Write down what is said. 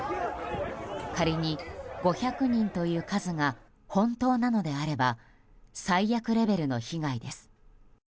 仮に５００人という数が本当なのであれば最悪レベルの被害です。